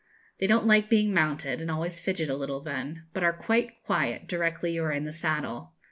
They don't like being mounted, and always fidget a little then, but are quite quiet directly you are in the saddle.